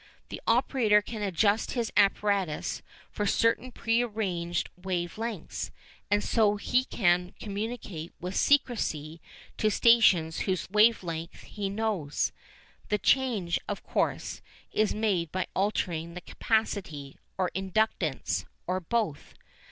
The operator can adjust his apparatus for certain prearranged wave lengths, and so he can communicate with secrecy to stations whose wave length he knows. The change, of course, is made by altering the capacity, or inductance, or both.